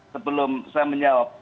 sebelum saya menjawab